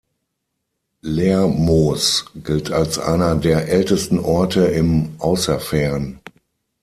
Lermoos gilt als einer der ältesten Orte im Außerfern.